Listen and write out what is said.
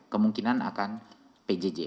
kemungkinan akan pjj